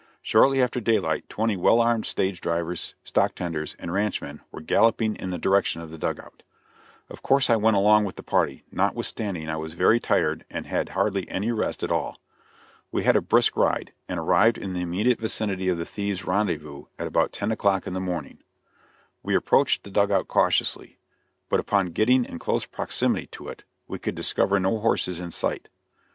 Shortly after daylight twenty well armed stage drivers, stock tenders and ranchmen were galloping in the direction of the dug out. Of course I went along with the party, notwithstanding I was very tired and had had hardly any rest at all. We had a brisk ride, and arrived in the immediate vicinity of the thieves' rendezvous at about ten o'clock in the morning. We approached the dug out cautiously, but upon getting in close proximity to it we could discover no horses in sight.